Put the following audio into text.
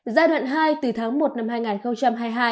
giai đoạn hai từ tháng một năm hai nghìn hai mươi hai